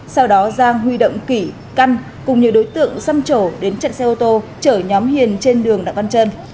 sau đó giang huy động kỹ căn cùng nhiều đối tượng xăm trổ đến trận xe ô tô chở nhóm hiền trên đường đặng văn trơn